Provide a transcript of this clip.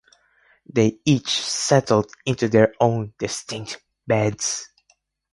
They each settled into their own distinct beds.